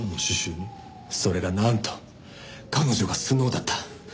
それがなんと彼女がスノウだった。